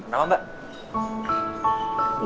umat ezra akan terjanjikan itu ya